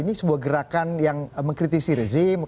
ini sebuah gerakan yang mengkritisi rezim